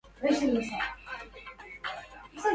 كم نهتهم صبابتي وغرامي